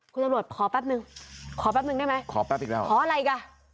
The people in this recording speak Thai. คุณตำรวจขอแป๊บหนึ่งขอแป๊บหนึ่งได้มั้ยขออะไรอีกอ่ะ